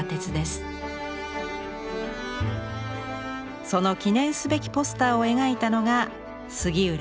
その記念すべきポスターを描いたのが杉浦非水。